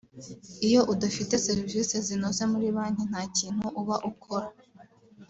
Iyo udafite serivisi zinoze muri banki nta kintu uba ukora